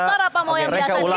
di motor apa mau yang biasa dulu